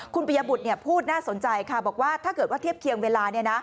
คุณปริยบุตรพูดน่าสนใจค่ะบอกว่าถ้าเกิดว่าเทียบเคียงเวลา